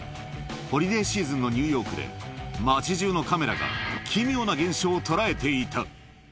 ホリデーシーズンのニューヨークで、街じゅうのカメラが奇妙な現象を捉えていた。